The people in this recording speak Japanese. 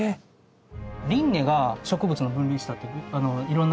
リンネが植物の分類したっていろんなものの名前